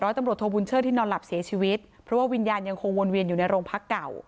ตำรวจโทบุญเชิดที่นอนหลับเสียชีวิตเพราะว่าวิญญาณยังคงวนเวียนอยู่ในโรงพักเก่า